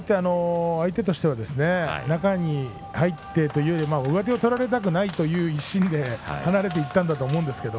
相手としては中に入ってというよりは上手を取られたくないという一心で離れていったと思うんです。